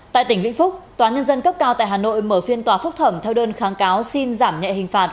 tại tỉnh vĩnh phúc tnc cao tại hà nội mở phiên tòa phúc thẩm theo đơn kháng cáo xin giảm nhẹ hình phạt